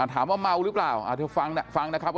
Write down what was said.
ถามว่าเมาหรือเปล่าเธอฟังนะครับว่า